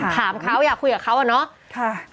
ถามเขาอยากคุยกับเขาอ่ะเนอะค่ะถาม